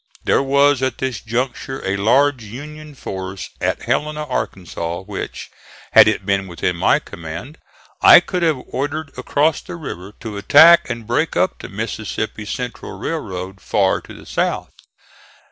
There was at this juncture a large Union force at Helena, Arkansas, which, had it been within my command, I could have ordered across the river to attack and break up the Mississippi Central railroad far to the south.